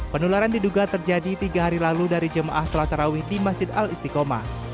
penularan diduga terjadi tiga hari lalu dari jemaah sholat tarawih di masjid al istiqomah